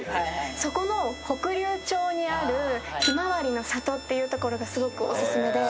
そこの北竜町にあるひまわりの里っていう所がすごくお薦めで。